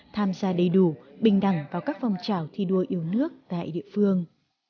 tham gia đầy đủ bình đẳng vào các phong trào thi đua yêu nước tại địa phương